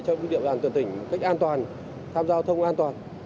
trong địa bàn toàn tỉnh cách an toàn tham giao thông an toàn